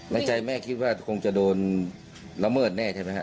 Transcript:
ในใจแม่คิดว่าคงจะโดนละเมิดแน่ใช่ไหมครับ